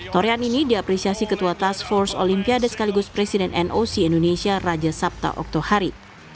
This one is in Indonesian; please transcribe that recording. torian ini diapresiasi ketua task force olimpiade sekaligus presiden noc indonesia raja sabta oktohari